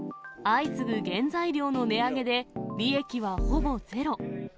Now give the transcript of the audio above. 相次ぐ原材料の値上げで、利益はほぼゼロ。